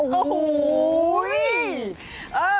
โอ้โห